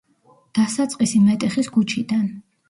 დასაწყისი მეტეხის ქუჩიდან.